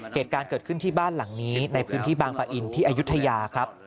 เหตุการณ์เกิดขึ้นที่บ้านหลังนี้ในพื้นที่บางปะอินที่อายุทยาครับ